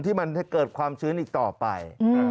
ที่มันให้เกิดความชื้นอีกต่อไป